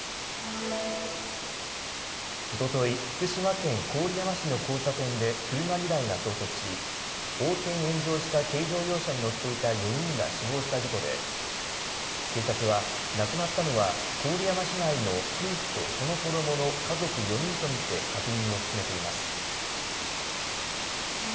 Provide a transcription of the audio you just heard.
おととい、福島県郡山市の交差点で車２台が衝突し横転・炎上した軽乗用車に乗っていた４人が死亡した事故で警察は亡くなったのは郡山市内の夫婦とその子どもの家族４人と見て確認を進めています。